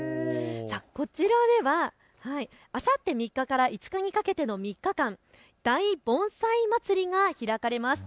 こちらではあさって３日から５日にかけての３日間、大盆栽まつりが開かれます。